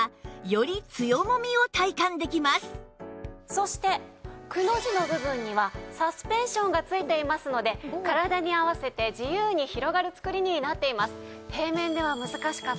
そしてくの字の部分にはサスペンションが付いていますので体に合わせて自由に広がる作りになっています。